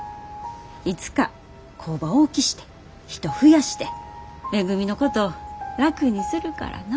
いつか工場大きして人増やしてめぐみのこと楽にするからな」